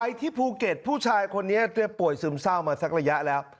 ที่ภูเก็ตผู้ชายคนนี้ป่วยซึมเศร้ามาสักระยะแล้ว